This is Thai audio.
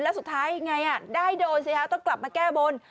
แล้วสุดท้ายยังไงได้โดนสิฮะต้องกลับมาแก้บน